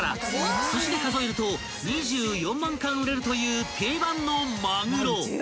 ［寿司で数えると２４万貫売れるという定番のまぐろ］